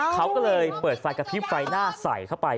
เขาก็เลยเปิดฟังดาวนางพิมพ์กำลังปิดไฟหน้าเข้าไป